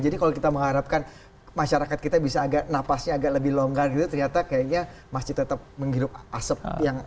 jadi kalau kita mengharapkan masyarakat kita bisa agak napasnya agak lebih longgar gitu ternyata kayaknya masih tetap menghirup asap yang ada